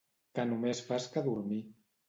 Que només fas que dormir.